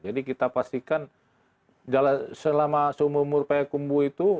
jadi kita pastikan selama seumur umur paya kumbu itu